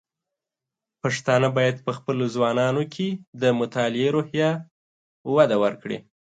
پښتانه بايد په خپلو ځوانانو کې د مطالعې روحيه وده ورکړي.